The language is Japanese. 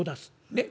ねっ。